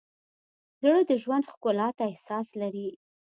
زړه د ژوند ښکلا ته احساس لري.